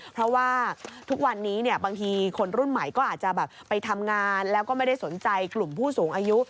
เพราะว่าทุกวันนี้บางทีคนรุ่นใหม่ก็อาจจะแบบไปทำงานแล้วก็ไม่ได้สนใจกลุ่มผู้สูงอายุ